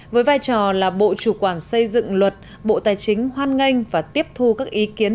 với vai trò là bộ chủ quản xây dựng luật bộ tài chính hoan nghênh và tiếp thu các ý kiến